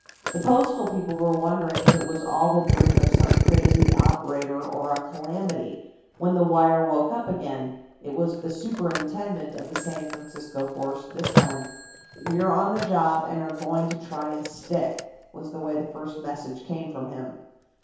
The Postal people were wondering if it was all the dream of some crazy operator or a calamity, when the wire woke up again. It was the superintendent of the San Francisco force this time. "We're on the job, and are going to try and stick," was the way the first message came from him.